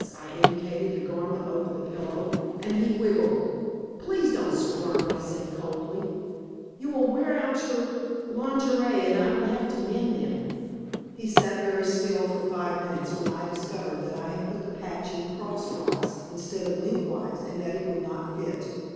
I indicated the garment over the pillow, and he wiggled. "Please don't squirm," I said coldly. "You will wear out your lingerie, and I will have to mend them." He sat very still for five minutes, when I discovered that I had put the patch in crosswise instead of lengthwise and that it would not fit.